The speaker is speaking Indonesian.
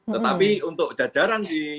tetapi untuk jajaran di